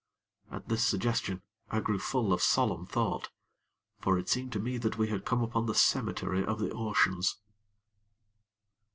At this suggestion, I grew full of solemn thought; for it seemed to me that we had come upon the cemetery of the oceans.